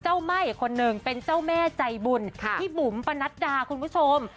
ไหม้อีกคนนึงเป็นเจ้าแม่ใจบุญพี่บุ๋มปะนัดดาคุณผู้ชม